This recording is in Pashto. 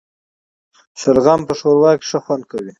شلغم په ښوروا کي ښه خوند کوي